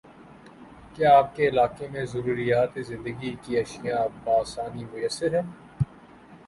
کیا آپ کے علاقے میں ضروریاتِ زندگی کی اشیاء باآسانی میسر ہیں؟